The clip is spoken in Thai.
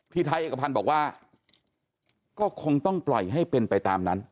ไทยเอกพันธ์บอกว่าก็คงต้องปล่อยให้เป็นไปตามนั้น